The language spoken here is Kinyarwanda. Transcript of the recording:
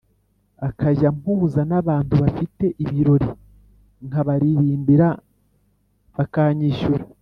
akajya ampuza n’abantu bafite ibirori nkabaririmbira bakanyishyura,